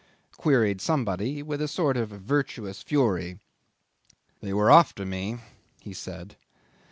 queried somebody, with a sort of virtuous fury. "They were after me," he said.